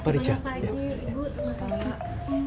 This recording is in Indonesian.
bu terima kasih